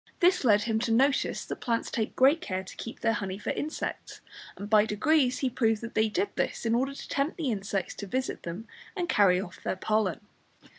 This led him to notice that plants take great care to keep their honey for insects, and by degrees he proved that they did this in order to tempt the insects to visit them and carry off their pollen.